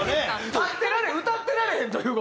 立ってられん歌ってられへんという事？